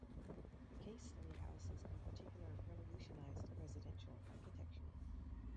The case study houses in particular revolutionized residential architecture.